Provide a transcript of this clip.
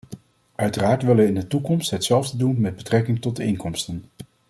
Uiteraard willen we in de toekomst hetzelfde doen met betrekking tot de inkomsten.